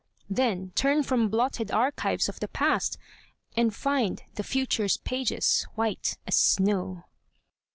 Then turn from blotted archives of the past, And find the future's pages white as snow.